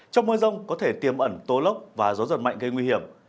trong mưa rông có thể tiềm ẩn tố lốc và gió giật mạnh gây nguy hiểm